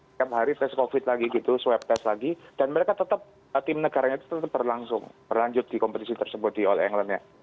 setiap hari tes covid lagi gitu swab test lagi dan mereka tetap tim negaranya tetap berlangsung berlanjut di kompetisi tersebut di all england ya